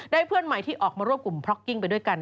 เพื่อนใหม่ที่ออกมารวบกลุ่มพล็อกกิ้งไปด้วยกัน